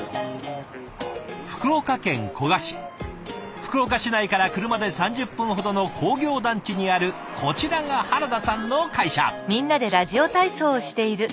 福岡市内から車で３０分ほどの工業団地にあるこちらが原田さんの会社。